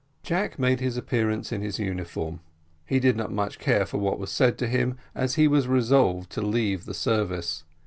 Jack made his appearance in his uniform he did not much care for what was said to him, as he was resolved to leave the service.